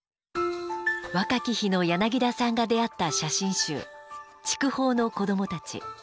若き日の柳田さんが出会った写真集「筑豊のこどもたち」。